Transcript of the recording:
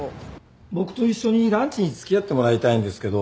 僕と一緒にランチに付き合ってもらいたいんですけど。